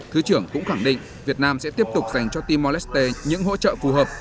thứ trưởng cũng khẳng định việt nam sẽ tiếp tục dành cho timor leste những hỗ trợ phù hợp